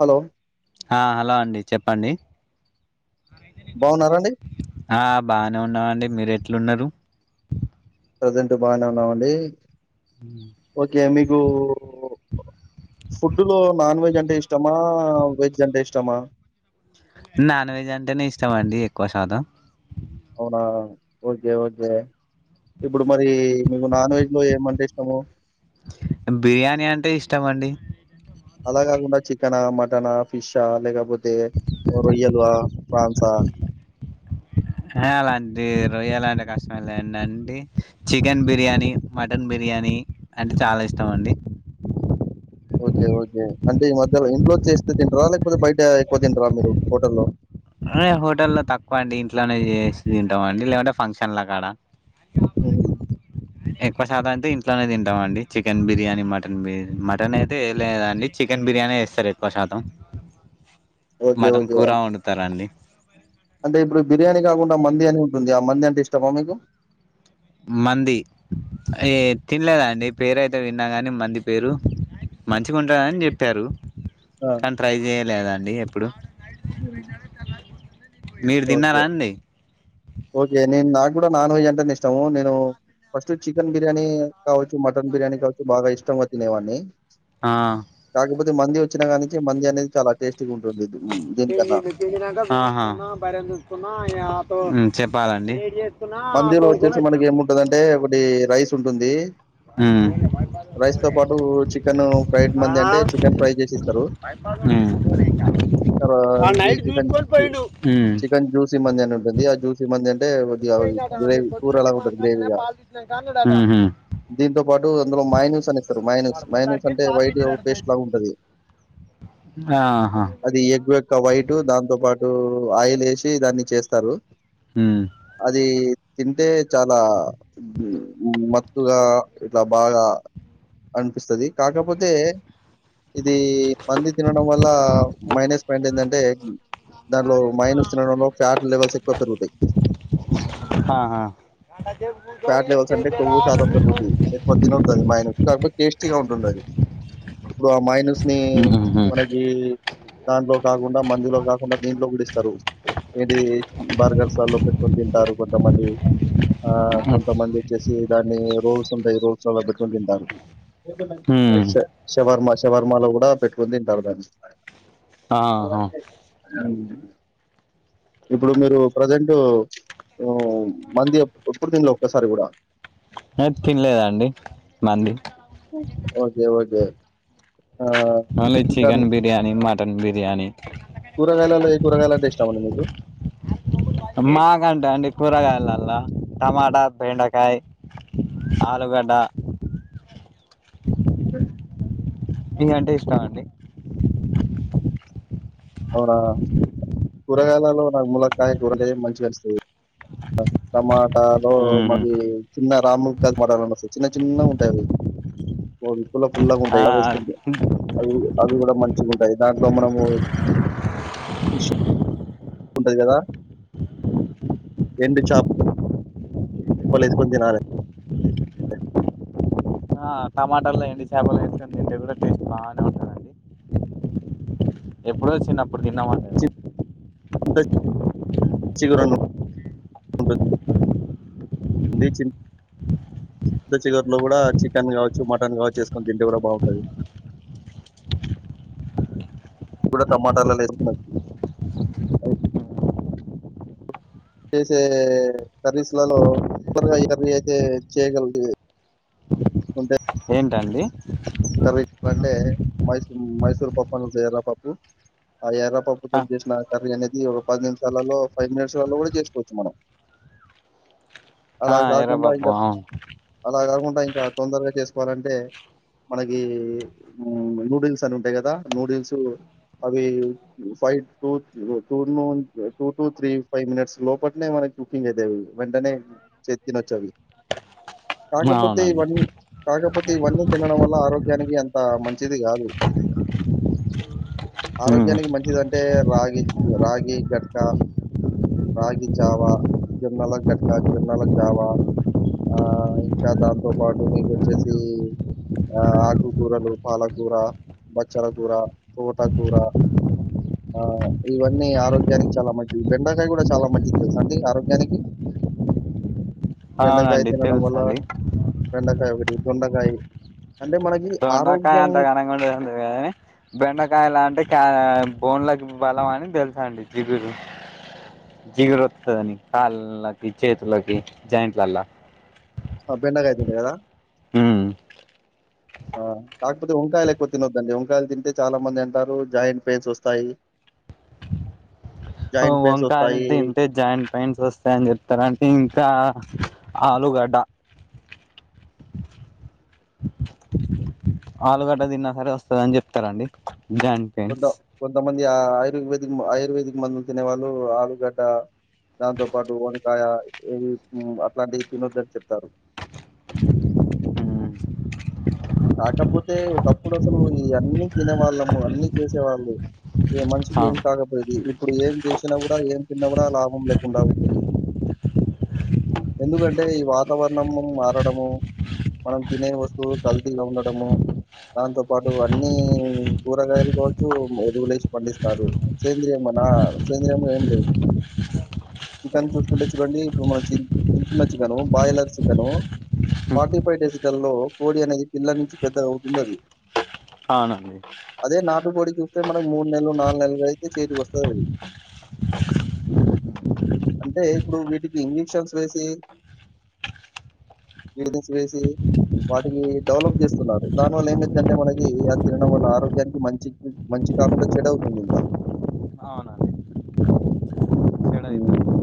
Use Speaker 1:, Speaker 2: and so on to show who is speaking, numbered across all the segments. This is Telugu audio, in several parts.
Speaker 1: హలో
Speaker 2: ఆ హలో అండి చెప్పండి
Speaker 1: బావున్నారా అండి
Speaker 2: ఆ బానే ఉన్నావండి మీరు ఎట్లున్నారు
Speaker 1: ప్రజెంట్ బాగానే ఉన్నామండి
Speaker 2: ఉమ్
Speaker 1: ఓకే మీకు ఫుడ్డు లో నాన్ వెజ్ అంటే ఇష్టమా వెజ్ అంటే ఇష్టమా
Speaker 2: నాన్ వెజ్ అంటేనే ఇష్టం అండి ఎక్కువ శాతం
Speaker 1: అవునా ఓకె ఓకె ఇప్పుడు మరి మీకు నాన్ వెజ్ లో ఏమంటే ఇష్టము
Speaker 2: బిర్యానీ అంటే ఇష్టమండి
Speaker 1: అలా కాకుండా చికెనా మటనా ఫిష్ లేకపోతే రొయ్యలు ఆ ప్రాన్సా
Speaker 2: అలాంటి రొయ్యాలంటే కష్టం లే అంటే చికెన్ బిర్యానీ మటన్ బిర్యానీ అంటే చాలా ఇష్టం అండి
Speaker 1: ఓకే ఓకే అంటే ఈ మధ్యలో ఇంట్లో చేస్తే తింటరాా లేకపోతే బయట ఎక్కువ తింటారా మీరు హోటల్లో
Speaker 2: హోటల్ల్లో తక్కువ అండి ఇంట్లోనే చేసి తింటాం అండి లేకుంటే ఫంక్షన్లా కాడ
Speaker 1: ఉమ్
Speaker 2: ఎక్కువ శాధం అయితే ఇంట్లోనే తింటాం అండి చికెన్ బిర్యానీ మటన్ బిర్యా మటన్ అయితే ఏ లేదండి చికెన్ బిర్యానీ చేస్తారు ఎక్కువ శాతం
Speaker 1: ఓకే
Speaker 2: మటన్
Speaker 1: ఓకే
Speaker 2: కూర వండుతరండి
Speaker 1: అంటే ఇప్పుడు బిర్యానీ కాకుండా మండి అని ఉంటుంది ఆ మంది అంటే ఇష్టమా మీకు
Speaker 2: మండి ఏ తినలేదు అండి పెరు అయితే విన్నా కానీ మండి పేరు
Speaker 1: హ్మ్.
Speaker 2: మంచిగా ఉంటదని చెప్పారు
Speaker 1: ఆ,
Speaker 2: కానీ ట్రై చేయలేదండి ఎప్పుడు
Speaker 1: ఉమ్
Speaker 2: మీరు తిన్నారా
Speaker 1: ఓకే
Speaker 2: అండి
Speaker 1: ఓకే నేను నాకు కూడా నాన్ వెజ్ అంటేనె ఇష్టము నేను ఫస్ట్ చికెన్ బిర్యానీ కావచ్చు మటన్ బిర్యానీ కావచ్చు బాగా ఇష్టంగా తినేవాన్ని
Speaker 2: ఆ
Speaker 1: కాకపోతే మండి వచ్చినా కా నుంచి మండి అనేది చాలా టేస్టీగా ఉంటుంది దీనికన్నా
Speaker 2: ఆహా ఉమ్ చెప్పాలండి
Speaker 1: మండిలో వచ్చేసి మనకి ఏముంటదంటె ఒకటి రైస్ ఉంటుంది
Speaker 2: ఉమ్మ్
Speaker 1: రైస్ తో పాటు చికెన్ ఫ్రై మండిఅంటే చికెన్ ఫ్రై చేసిస్తారు
Speaker 2: ఉమ్మ్
Speaker 1: సర ఇది చికెన్ చికెన్ జూస్ సి మండి అని ఉంటుంది ఆ జ్యూసి మండి అంటే కొద్దిగా గ్రేవీ కూరలాగా ఉంటది గ్రేవీగా.
Speaker 2: ఉహు
Speaker 1: దీంతో పాటు అందులో మయోనీస్ అనిస్తారు మయోనిస్
Speaker 2: వాడు
Speaker 1: మయోనిస్
Speaker 2: పోతాడికి
Speaker 1: అంటే
Speaker 2: పాలు
Speaker 1: వైట్గ
Speaker 2: పితికిండట
Speaker 1: పేస్ట్
Speaker 2: నైట్
Speaker 1: లాగా ఉంటది
Speaker 2: ఆహా
Speaker 1: అది ఎగ్ యొక్క వైట్ దాంతో పాటు ఆయిల్ వేసి దాన్ని చేస్తారు
Speaker 2: ఉమ్
Speaker 1: అది తింటే చాలా మ గా ఇట్లా బాగా అనిపిస్తది కాకపోతే ఇది మండి తినడం వల్ల మైనస్ పాయింట్ ఏంటంటే దాంట్లో మైనస్ తినడంలో ఫ్యాట్ లెవెల్స్ ఎక్కువ పెరుగుతాయి
Speaker 2: ఆహా గంట సేపు కూర్చొని
Speaker 1: ఫ్యాట్ లెవెల్స్ అంటే కొవ్వు శాతం
Speaker 2: చేసేదాకా
Speaker 1: పెరుగుద్ది ఎక్కువ తినొద్దు అది మయోనీస్ కాకపోతే టేస్టీగా ఉంటుంది అది ఇప్పుడు ఆ మయోనిస్నీ
Speaker 2: కూర్చొని
Speaker 1: మనకి దాంట్లో కాకుండా మండిలో కాకుండా దీంట్లో కూడా ఇస్తారు ఏది బర్గర్సా లలో పెట్టుకుని తింటారు కొంతమంది ఆ కొంతమంది వచ్చేసి దాన్ని రోల్స్ ఉంటాయి రోల్స్లలో పెట్టుకుని తింటారు
Speaker 2: ఉమ్మ్
Speaker 1: శవర్మ శవర్మలో కూడా పెట్టుకొని తింటారు దాన్ని
Speaker 2: ఆహా
Speaker 1: ఉమ్ ఇప్పుడు మీరు ప్రజెంట్ మండి ఎప్పుడు తిన్లే ఒక్కసారి కూడా
Speaker 2: ఆ తినలేదు అండి మాంది
Speaker 1: ఓకే ఓకే ఆ
Speaker 2: మళ్ళా
Speaker 1: ఇంకా
Speaker 2: చికెన్ బిర్యానీ, మటన్ బిర్యానీ
Speaker 1: కూరగాయలలో ఏ కూరగాయలు అంటే ఇష్టం అండి మీకు ఏ?
Speaker 2: ఎకంటే అండి కూరగాయలల్లా టమాటా, బెండకాయ్, ఆలుగడ్డ
Speaker 1: ఉ
Speaker 2: ఏగంటే ఇష్టం అండి?
Speaker 1: అవునా కూరగాయలలో ములక్కాయ కూరగాయ మంచిగ అన్పిస్తది ఆ టమాటాలు మది చిన్న రాము క్కా మటాల్ వస్తాయి చిన్న చిన్నగా ఉంటాయ్ అవి పుల్ల పుల్లగా
Speaker 2: ఆ
Speaker 1: ఉంటాయి అవి వేస్కుంటే అవి అవి కూడా మంచిగా ఉంటాయ్ దాంట్లో మనము ఈ షు ఉంటది కదా ఎండు చేప్ పోలేసుకొన్ తినాలే
Speaker 2: ఆ టమాటాల్లో ఎండుచేపలు వేసుకొన్ తింటే కూడా టేస్ట్ బానే ఉంటదండి ఎప్పుడో చిన్నప్పుడు తిన్నమండి అది
Speaker 1: చింత చిగురుండు ది చిన్ ఇద్ద చికట్ లో కూడా చికెన్ కావచ్చు మటన్ కావచ్చు వేసుకొన్ తింటే కూడా బాగుంటది ఎప్పుడు టమాటాలల్లా వేసుకునేది చేసే సర్వీస్లలో [unintelligible] చేయగలిగే
Speaker 2: ఏంటండి?
Speaker 1: కర్రీ అంటే మైసూర్ మైసూర్ పప్పు అని ఉంటది ఎర్ర పప్పు ఆ ఎర్ర పప్ చేసిన కర్రీ అనేది ఒక పది నిమిషాలలో ఫైవ్ మినిట్స్లలో కూడా చేసుకోవచ్చు మనం
Speaker 2: ఆ
Speaker 1: అలా కాకుండా
Speaker 2: ఎర్రపప్పు
Speaker 1: ఇంగా
Speaker 2: అవును
Speaker 1: అలా కాకుండా ఇంకా తొందరగా చేసుకోవాలంటే మనకి నూడిల్స్ అని ఉంటాయి కదా నూడిల్సు అవి ఫైవ్ టు టూర్ ను two two three five minutes లోపట్ నే మన కుకింగ్ ఐతాయ్ అవి వెంటనే చేసి తినచ్చు అవి కాకపోతే
Speaker 2: అవునండి
Speaker 1: ఇవన్ కాకపోతే ఇవన్నీ తినడం వల్ల ఆరోగ్యానికి అంత మంచిది కాదు ఆరోగ్యానికి మంచిది అంటే రాగి రాగి జట్కా రాగి జావా, జొన్నల ఘట్కా, జొన్నల జావా ఆ ఇంకా దాంతో పాటు మీకొచ్చేసి ఆ ఆకుకూరలు పాలకూర, బచ్చల కూర, తోటకూర ఆ ఇవన్నీ ఆరోగ్యానికి చాలా మంచి బెండకాయ కూడా చాలా మంచిది తెల్సా అండి ఆరోగ్యానికి బెండకాయ
Speaker 2: అవునండి
Speaker 1: తినడం వల్ల
Speaker 2: తెలుసండి
Speaker 1: బెండకాయ ఒకటి దొండకాయ్
Speaker 2: దోన్నకాయ అంత కనంగుండదు కానీ బెండకాయల అంటే బోన్లకు బలం అని తెలుసండి జిగురు జిగురూ వత్తదని కాళ్ళకి, చేతులకి జాయింట్లలల్లా
Speaker 1: ఆ బెండకాయ తింటే కదా?
Speaker 2: ఉమ్
Speaker 1: ఆ కాకపోతే వంకాయలు ఎక్కువ తినొద్దండి వంకాయలు తింటే చాలా మంది అంటారు జాయింట్ పెయిన్స్ వస్తాయి
Speaker 2: హొ
Speaker 1: జాయింట్ పెయిన్స్
Speaker 2: వంకాయల్
Speaker 1: వస్తాయి.
Speaker 2: తింటే జాయింట్ పెయింట్స్ వస్తాయన్ చెప్తారంటే ఇంకా ఆలుగడ్డ ఆలుగడ్డ తిన్నా సరే వస్తదని చెప్తారు అండి దాన్
Speaker 1: కొంత కొంతమంది ఆ ఆయుర్వేదిక్ ఆయుర్వేదిక్ మందులు తినే వాళ్ళు ఆలుగడ్డ దాంతో పాటు వంకాయ ఇవి అట్లాంటివి తినొద్దని చెప్తారు కాకపోతే ఒకప్పుడు అసలు ఈ అన్నీ తినేవాళ్ళము అన్ని చేసేవాళ్ళు ఏ మంచికి ఏం
Speaker 2: అవును
Speaker 1: కాకపోయేది ఇప్పుడు ఏం చేసినా కూడా ఏం తిన్నా కూడా లాభం లేకుండా పోయింది ఎందుకంటే ఈ వాతావరణం మారడము మనం తినే వస్తువులు కల్త్ తిల ఉండడము దాంతో పాటు అన్నీ కూరగాయలు కావచ్చు ఎరువులు ఏసి పండిస్తారు సేంద్రియ మనా సేంద్రియాం ఏం లేవు చికెన్ చూసుకుంటే చూడండి ఇప్పుడు మనం తింటున్న chicken boiler chicken forty five డేస్టల్లో కోడి అనేది పిల్ల నుంచి పెద్ద అవుతుంది అది
Speaker 2: అవునండి
Speaker 1: అదే నాటు కోడి చూస్తే మనకు మూడు నెలలు నాలుగు నెలలు అయితే చేతికి వస్తది అది అంటే ఇప్పుడు వీటికి ఇంజక్షన్స్ వేసి ఈడిన్స్ వేసి వాటికి డెవలప్ చేస్తున్నారు దానివల్ల ఏమంటంటే మనకి ఆ తినడం వల్ల ఆరోగ్యానికి మంచి మంచి కాకుండా చెడు తింటా
Speaker 2: అవునండి
Speaker 1: ఉ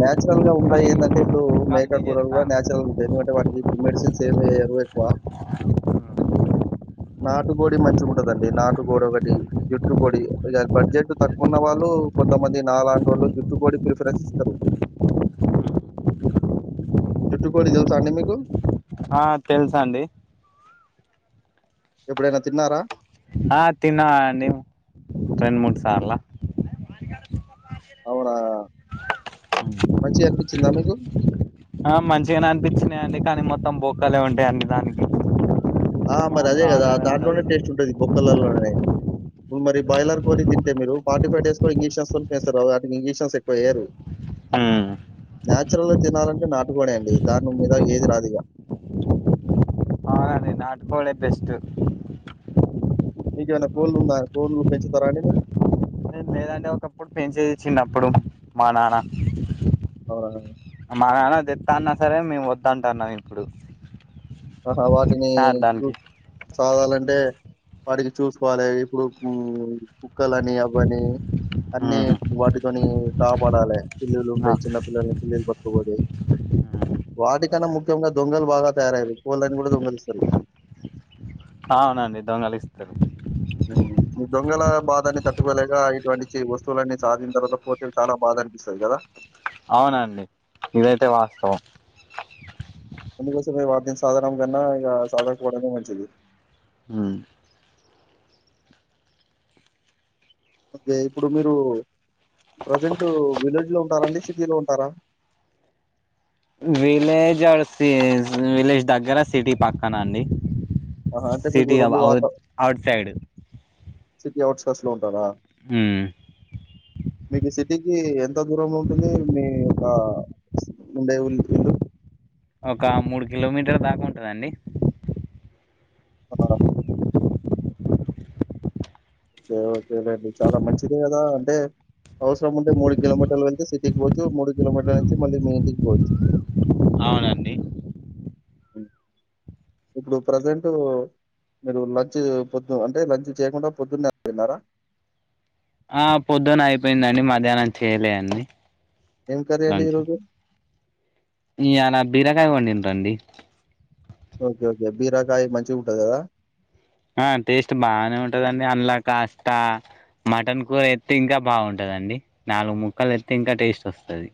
Speaker 1: నేచురల్ గా ఉంటాయి
Speaker 2: కల్తీ
Speaker 1: ఎందంటే ఇప్పుడు మేక
Speaker 2: కల్తీ
Speaker 1: కూరలు కూడా
Speaker 2: చేస్తాను
Speaker 1: నేచురల్గా ఎందుకంటే వాటికి ఇప్పుడు మెడిసిన్స్ ఏమి వేయ్యరు ఎక్కువ నాటుగోడి మంచిగా ఉంటదండి నాటుకోడి ఒకటి జుట్టు కోడి బడ్జెట్ తక్ ఉన్న వాళ్ళు కొంతమంది నాలాంటి వాళ్ళు జుట్టుకోడి ప్రీపెరెన్స్ ఇస్తారు జుట్టుకోడి తెలుసా అండి మీకు
Speaker 2: ఆ తెలుసు అండి
Speaker 1: ఎప్పుడైనా తిన్నారా
Speaker 2: ఆ తిన్నాం అండి రెండు మూడు సార్ల
Speaker 1: అవునా మంచిగా అనిపించిందా మీకు
Speaker 2: ఆ మంచిగానే అనిపించినాయండి కానీ మొత్తం బొక్కాలే ఉంటాయి అండి దానికి
Speaker 1: ఆ మరి అదే
Speaker 2: మాంసం
Speaker 1: కదా
Speaker 2: అనేదే ఉండదు
Speaker 1: దాంట్లోనే టేస్ట్ ఉంటది బొక్కలలోనే ఇప్పుడు మరి బాయిలర్ కోడి తింటే మీరు ఫార్టీ ఫైవ్ డేస్ లో ఇంజెక్షన్స్ వేస్తారు వాటి ఇంజక్షన్ ఎక్కువ వేయరు
Speaker 2: హు
Speaker 1: న్యాచురల్ గా తినాలంటే నాటు కోడి అండి దాని మీద ఏది రాదు ఇగ
Speaker 2: ఈ నాటు కోడె బెస్ట్
Speaker 1: మీకు ఏమైనా కోళ్ళు ఉన్నాయా కోళ్లు పెంచుతారా అండి మీరు
Speaker 2: లేదండి ఒకప్పుడు పెంచేది చిన్నప్పుడు మా నాన్న
Speaker 1: అవునా
Speaker 2: మా నాన్న తెస్తా అన్నా సరే మేము వద్దు అంటున్నాం ఇప్పుడు
Speaker 1: ఆహా వాటిని
Speaker 2: సార్ దానికి
Speaker 1: చూస్ సాదాలంటే వాటికీ చూసుకోవాలే ఇప్పుడు ము కుక్కలని అవని అన్ని వాటితోని కాపాడాలే పిల్లు ఉంటాయి చిన్న పిల్లల్ని పిల్లీలు బ ఇంకోటి వాటికన్నా ముఖ్యంగా దొంగలు బాగా తయారయ్యారు కోళ్ళని కూడా దొంగలిస్తారు
Speaker 2: అవునండి దొంగలి ఇస్తారు
Speaker 1: ఉ ఈ దొంగల బాధాన్ని తట్టుకోలేక ఇటువంటి వస్తువులన్నీ సాధిన తర్వాత తే చాలా బాధ అనిపిస్తది కదా
Speaker 2: అవునండి ఇదైతే వాస్తవం
Speaker 1: అందుకోసమే వాద్యం సాధనం కన్నా ఇక సాధకపోవడమే మంచిది
Speaker 2: ఊ
Speaker 1: ఓకే ఇప్పుడు మీరు ప్రజెంట్ విలేజ్ లో ఉంటారా అండి సిటీ లో ఉంటారా
Speaker 2: విలేజ్ ఆ విలేజ్ దగ్గర సిటీ పక్కన అండి
Speaker 1: ఆహా! అంటే మీకు
Speaker 2: సిటీ ఔ
Speaker 1: వాత
Speaker 2: outside
Speaker 1: city outskirts లో ఉంటారా
Speaker 2: ఊ
Speaker 1: మీకు సిటీకి ఎంత దూరం లో ఉంటుంది మీ యొక్క ఉండే ఉల్ ఇల్లు
Speaker 2: ఒక మూడు కిలోమీటర్ దాకా ఉంటది అండి
Speaker 1: ఆ ఓకే లేండి చాలా మంచిదే కదా అంటే అవసరం ఉంటే మూడు కిలోమీటర్లు వెళ్తే సిటీకి పోవచ్చు మూడు కిలోమీటర్లు నుంచి మళ్ళీ మీ ఇంటికి పోవచ్చు
Speaker 2: అవునండి
Speaker 1: ఇప్పుడు ప్రజెంట్ మీరు లంచ్ పొద్దు అంటే లంచ్ చేయకుండా పొద్దున్నే తిన్నారా
Speaker 2: ఆ పొద్దున అయిపోయిందండి మధ్యాహ్నం చెయలేండి
Speaker 1: ఏం కర్రీ అండి ఈ రోజు
Speaker 2: ఇయాల బీరకాయ వండిరు అండి
Speaker 1: ఓకే ఓకే బీరకాయ మంచిగా ఉంటంది కదా
Speaker 2: ఆ టేస్ట్ బాగానే ఉంటదండి అండ్లా కాస్త మటన్ కూర ఎస్తే ఇంకా బాగుంటుంది అండి నాలుగు ముక్కలు వేస్తే ఇంకా టేస్ట్ వస్తుంది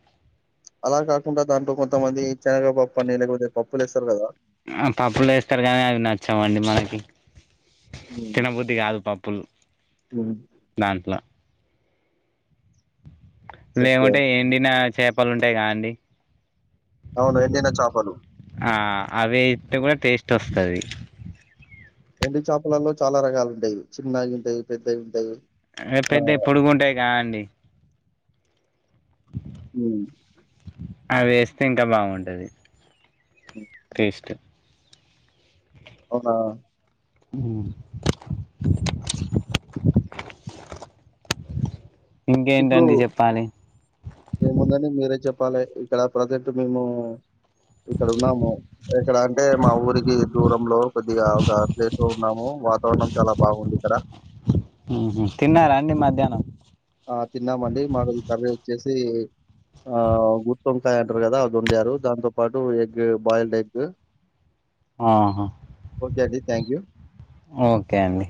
Speaker 1: అలా కాకుండా దాంట్లో కొంతమంది శనగ పప్పు అని లేకపోతే పప్పులు వేస్తారు కదా
Speaker 2: ఆ పప్పులు వేస్తారు కానీ అవి నచ్చవండి మనకి
Speaker 1: హ్మ్.
Speaker 2: తినబుద్ధి కాదు పప్పులు
Speaker 1: హ్మ్.
Speaker 2: దాంట్ల
Speaker 1: ఓకే.
Speaker 2: లేమంటే ఎండిన చేపలు ఉంటాయి కదాండి
Speaker 1: అవును ఎండిన చాపలు
Speaker 2: ఆ అవి వేస్తే కూడా టేస్ట్ వస్తది
Speaker 1: ఎండిన చేపలలో చాలా రకాలు ఉంటాయి చిన్నవి ఉంటాయి పెద్దవి ఉంటాయి
Speaker 2: అ పెద్దవి పొడుగుంటాయి కా అండి
Speaker 1: ఊ
Speaker 2: అది వేస్తే ఇంకా బాగుంటది
Speaker 1: హ్మ్.
Speaker 2: టేస్ట్
Speaker 1: అవునా అ [inaudible]
Speaker 2: ఇంకేంటండి చెప్పాలి
Speaker 1: ఏముందండి మీరే చెప్పాలి ఇక్కడ ప్రజెంట్ మేము ఇక్కడ ఉన్నాము ఎక్కడ అంటే మా ఊరికి దూరంలో కొద్దిగా ఒక ప్లేసు న్నాము వాతావరణం చాలా బాగుంది ఇక్కడ
Speaker 2: ఊహు తిన్నారండి మధ్యాహ్నం
Speaker 1: ఆ తిన్నామండి మా కది కర్రీ వచ్చేసి ఆ గుత్తొంకాయ అంటారు కదా అది వండారు దాంతో పాటు ఎగ్ బాయిల్డ్ ఎగ్
Speaker 2: ఆహా
Speaker 1: ఓకే అండి. Thank you.
Speaker 2: ఓకే అండి